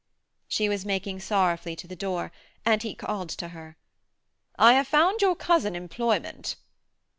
She was making sorrowfully to the door, and he called to her: 'I have found your cousin employment.'